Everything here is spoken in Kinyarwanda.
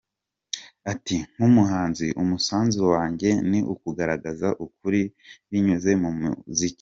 Ati “Nk’umuhanzi umusanzu wanjye ni ukugaragaza ukuri binyuze mu muziki.